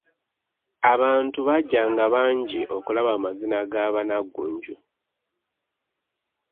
Abantu bajjanga bangi okulaba amazina ga bannaggunju.